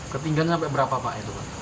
ketinggian sampai berapa pak